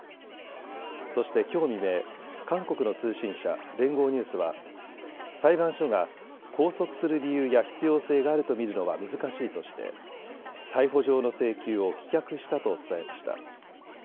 そしてきょう未明、韓国の通信社、連合ニュースは裁判所が拘束する理由や必要性があると見るのは難しいとして逮捕状の請求を棄却したと伝えました。